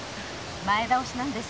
前倒しなんです。